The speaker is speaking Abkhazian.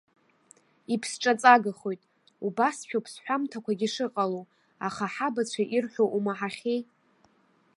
Иԥсҿаҵагахоит, убасшәоуп сҳәамҭақәагьы шыҟало, аха ҳабацәа ирҳәо умаҳахьеи.